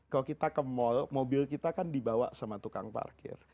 kalau kita ke mal mobil kita kan dibawa sama tukang parkir